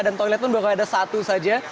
dan toilet pun baru ada satu saja